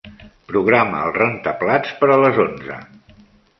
Programa el rentaplats per a les onze.